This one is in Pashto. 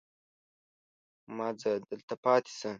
مه ځه دلته پاتې شه.